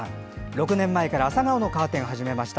６年前からアサガオのカーテンを始めました。